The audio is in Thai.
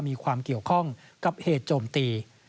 มีความเกี่ยวข้องกับเหตุโจมตี